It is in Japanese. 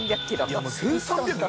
いや１３００。